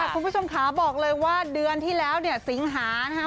คุณผู้ชมขาบอกเลยว่าเดือนที่แล้วเนี่ยสิงหานะคะ